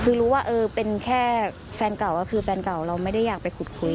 คือรู้ว่าเป็นแค่แฟนเก่าก็คือแฟนเก่าเราไม่ได้อยากไปขุดคุย